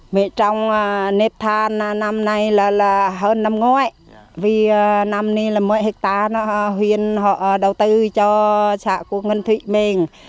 mẹ trồng nếp than năm nay là hơn năm ngoái vì năm nay là một mươi hectare huyện họ đầu tư cho xã quảng ngân thủy mình